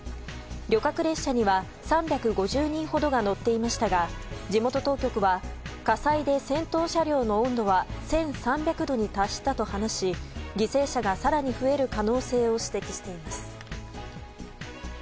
旅客列車には３５０人ほどが乗っていましたが地元当局は火災で先頭車両の温度は１３００度に達したと話し犠牲者が更に増える可能性を指摘しています。